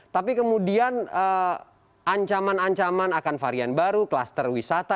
tapi kemudian ancaman ancaman akan varian baru kluster wisata